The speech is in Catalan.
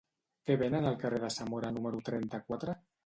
Què venen al carrer de Zamora número trenta-quatre?